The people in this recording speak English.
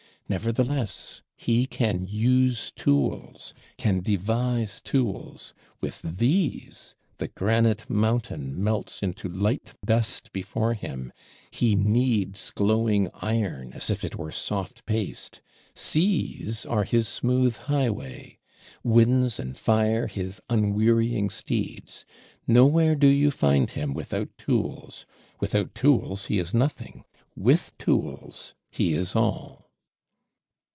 Nevertheless he can use Tools, can devise Tools: with these the granite mountain melts into light dust before him; he kneads glowing iron, as if it were soft paste; seas are his smooth highway, winds and fire his unwearying steeds. Nowhere do you find him without Tools; without Tools he is nothing, with Tools he is all."